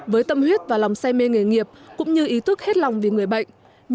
với tâm huyết và lòng say mê nghề nghiệp cũng như ý thức hết lòng vì người bệnh